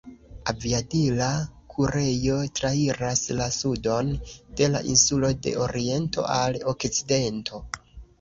Aviadila kurejo trairas la sudon de la insulo de oriento al okcidento.